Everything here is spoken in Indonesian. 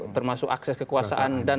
termasuk akses kekuasaan dan